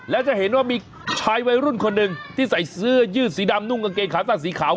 แล้วจะเห็นว่ามีชายวัยรุ่นคนหนึ่งที่ใส่เสื้อยืดสีดำนุ่งกางเกงขาสั้นสีขาว